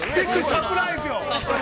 ◆サプライズよ。